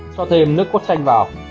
cho thêm nước cốt chanh vào